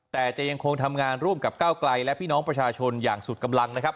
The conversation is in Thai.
แต่จะยังคงทำงานร่วมกับก้าวไกลและพี่น้องประชาชนอย่างสุดกำลังนะครับ